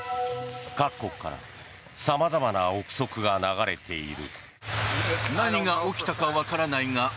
各国からさまざまな憶測が流れている。